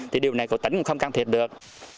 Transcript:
thì điều này của tỉnh cũng không cần thiết được